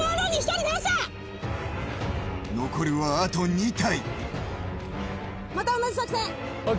残るはあと２体。